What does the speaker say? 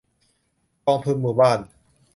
กองทุนหมู่บ้าน